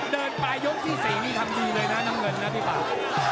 ปลายยกที่๔นี่ทำดีเลยนะน้ำเงินนะพี่ป่า